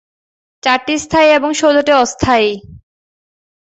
চারটি স্থায়ী এবং ষোলটি অস্থায়ী।